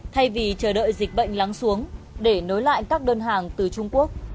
thay vì chờ đợi dịch bệnh lắng xuống để nối lại các đơn hàng từ chủng